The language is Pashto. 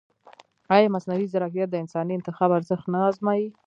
ایا مصنوعي ځیرکتیا د انساني انتخاب ارزښت نه ازموي؟